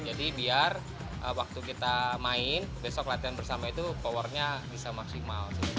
jadi biar waktu kita main besok latihan bersama itu powernya bisa maksimal